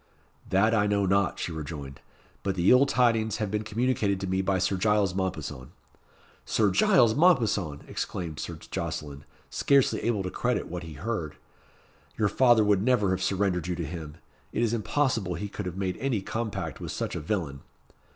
"That I know not," she rejoined. "But the ill tidings have been communicated to me by Sir Giles Mompesson." "Sir Giles Mompesson!" exclaimed Sir Jocelyn, scarcely able to credit what he heard. "Your father would never have surrendered you to him. It is impossible he could have made any compact with such a villain."